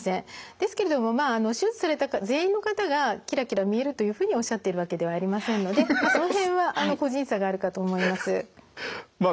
ですけれどもまあ手術された方全員の方がキラキラ見えるというふうにおっしゃってるわけではありませんのでその辺は個人差があるかと思います。